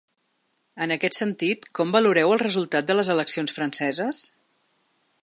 En aquest sentit, com valoreu el resultat de les eleccions franceses?